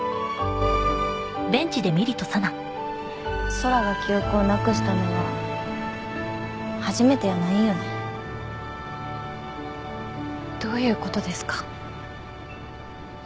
空が記憶をなくしたのは初めてやないんよねどういうことですか？